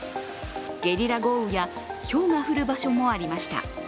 ゲリラ豪雨やひょうが降る場所もありました。